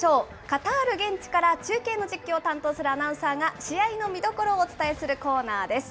カタール現地から中継の実況を担当するアナウンサーが、試合の見どころをお伝えするコーナーです。